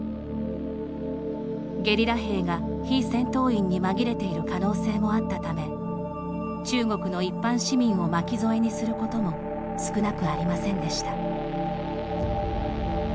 ゲリラ兵が非戦闘員に紛れている可能性もあったため中国の一般市民を巻き添えにすることも少なくありませんでした。